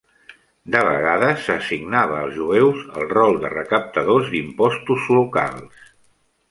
De vegades, s'assignava als jueus el rol de recaptadors d'impostos locals.